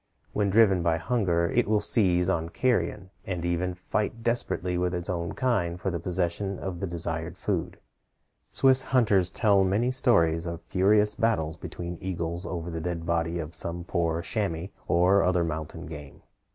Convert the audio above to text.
When driven by hunger, it will seize on carrion, and even fight desperately with its own kind for the possession of the desired food. Swiss hunters tell many stories of furious battles between eagles over the dead body of some poor chamois or other mountain game.